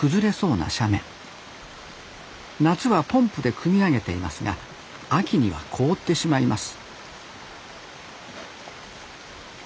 夏はポンプでくみ上げていますが秋には凍ってしまいます